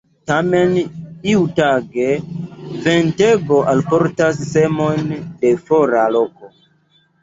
Tamen iutage, ventego alportas semon de fora loko.